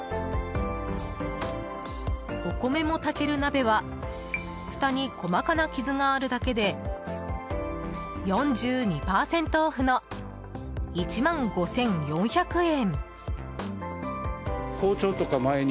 お米も炊ける鍋はふたに細かな傷があるだけで４２％オフの１万５４００円。